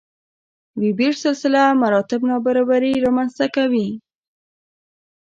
وېبر سلسله مراتب نابرابري رامنځته کوي.